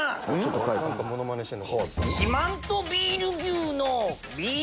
何かモノマネしてる。